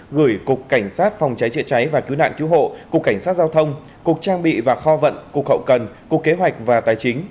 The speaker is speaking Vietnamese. gửi cục cảnh sát phòng cháy chữa cháy và cứu nạn cứu hộ cục cảnh sát giao thông cục trang bị và kho vận cục hậu cần cục kế hoạch và tài chính